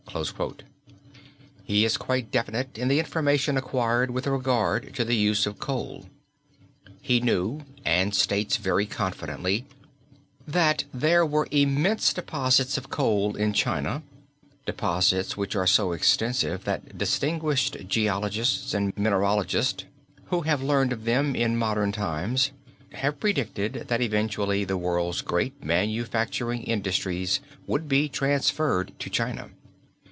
He is quite as definite in the information acquired with regard, to the use of coal. He knew and states very confidently that there were immense deposits of coal in China, deposits which are so extensive that distinguished geologists and mineralogists who have learned of them in modern times have predicted that eventually the world's great manufacturing industries would be transferred to China.